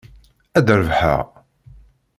Ad rebḥeɣ.